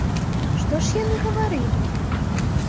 Што ж яны гаварылі?